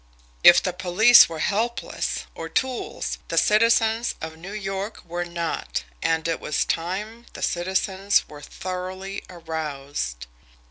If the police were helpless, or tools, the citizens of New York were not, and it was time the citizens were thoroughly aroused.